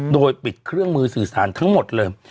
โดยปิดเครื่องมือสื่อสารทั้งหมดเลย